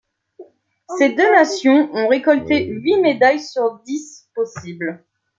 Ces deux nations ont récolté huit médailles sur dix possibles.